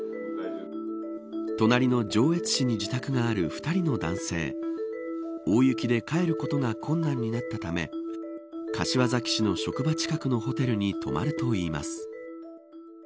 隣の上越市に自宅がある２人の男性大雪で帰ることが困難になったため柏崎市の職場近くのホテルに泊まるといいます。